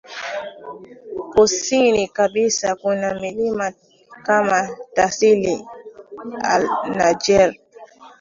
Kusini kabisa kuna milima kama Tassili nAjjer